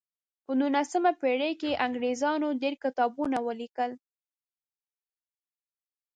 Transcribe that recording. په نولسمه پیړۍ کې انګریزانو ډیر کتابونه ولیکل.